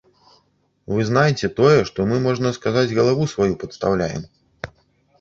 Вы знайце тое, што мы, можна сказаць, галаву сваю падстаўляем.